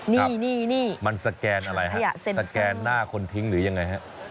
นี่มันสแกนอะไรฮะสแกนหน้าคนทิ้งหรือยังไงฮะ